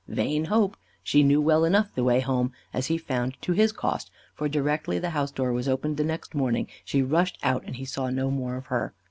Vain hope! She knew well enough the way home, as he found to his cost, for directly the house door was opened the next morning, she rushed out and he saw no more of her.